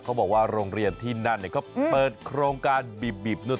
เขาบอกว่าโรงเรียนที่นั่นเขาเปิดโครงการบีบนู่น